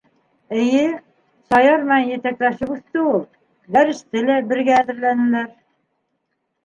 Эйе, Саяр менән етәкләшеп үҫте ул. Дәресте лә бергә әҙерләнеләр.